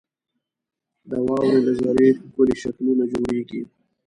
• د واورې له ذرې ښکلي شکلونه جوړېږي.